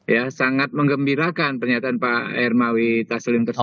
ya sangat mengembirakan pernyataan pak hermawi taslim tersebut